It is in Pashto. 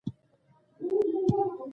د مکتب په انګړ کې ونې وکرم؟